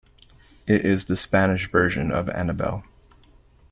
It is the Spanish version of Annabel.